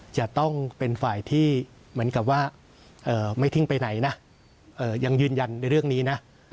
จะต้องเป็นฝ่ายที่เหมือนกับว่าไม่ทิ้งไปไหนนะยังยืนยันในเรื่องนี้นะ